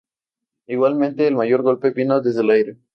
Igualmente, el mayor golpe vino desde el aire.